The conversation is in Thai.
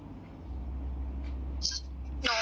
หนูมาอาศัยเขาอยู่